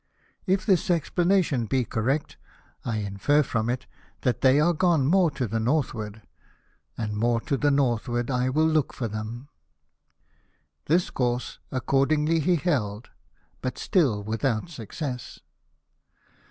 If this explanation be correct, I infer from it that they are gone more to the northward : and more to the north ward I will look for them." This course accordingly he held, but still without success.